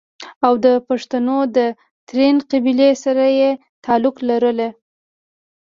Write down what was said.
او دَپښتنو دَ ترين قبيلې سره ئې تعلق لرلو